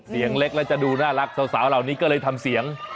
เสียงเล็กแล้วจะดูน่ารักสาวเหล่านี้ก็เลยทำเสียง